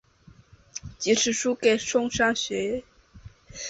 即使输给松商学园。